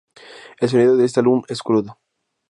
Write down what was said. El sonido de este álbum es crudo.